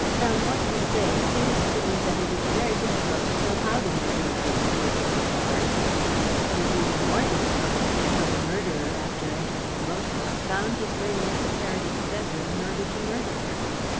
"From what you say it seems to me that it is very difficult to tell how the murderer escaped," he remarked. "It is even more difficult to say how the murderer, after entering the moat house, found his way to Mrs. Heredith's bedroom in order to murder her.